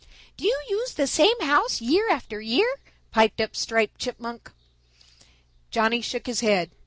"Do you use the same house year after year?" piped up Striped Chipmunk. Johnny shook his head.